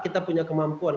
kita punya kemampuan